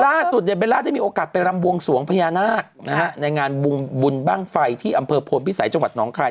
ล่าสุดเนี่ยเบลล่าได้มีโอกาสไปรำบวงสวงพญานาคนะฮะในงานบุญบ้างไฟที่อำเภอโพนพิสัยจังหวัดหนองคาย